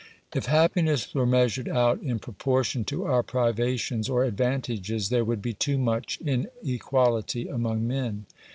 If happiness were measured out in proportion to our privations or advantages, there would be too much in equality among men.